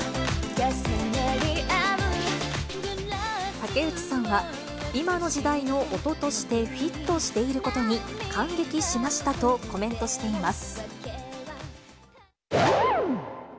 竹内さんは今の時代の音としてフィットしていることに感激しましたとコメントしています。